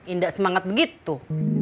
indah semangat begitu